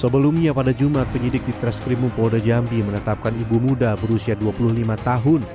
sebelumnya pada jumat penyidik di treskrimum polda jambi menetapkan ibu muda berusia dua puluh lima tahun